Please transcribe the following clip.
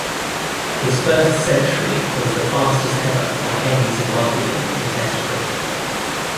His first century was the fastest ever by any Zimbabwean in Test Cricket.